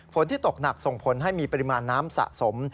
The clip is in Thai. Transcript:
ที่ตกหนักส่งผลให้มีปริมาณน้ำสะสม